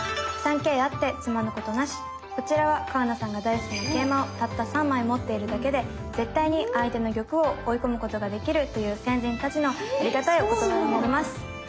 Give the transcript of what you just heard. こちらは川名さんが大好きな桂馬をたった３枚持っているだけで絶対に相手の玉を追い込むことができるという先人たちのありがたいお言葉になります。